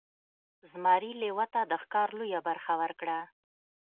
زمري لیوه ته د ښکار لویه برخه ورکړه.